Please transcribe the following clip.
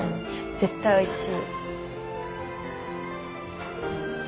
絶対おいしい。